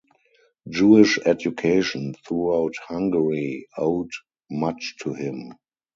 Jewish education throughout Hungary owed much to him.